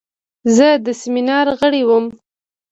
زه د سیمینار غړی وم.